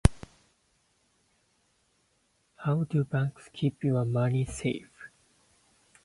How do banks keep your money safe?